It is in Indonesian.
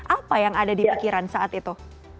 apa yang ada di pikiran saat itu